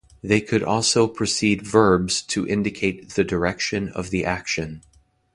They could also precede verbs to indicate the direction of the action.